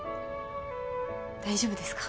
大丈夫ですか？